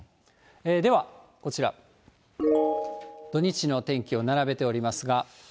ではこちら、土日の天気を並べておりますが。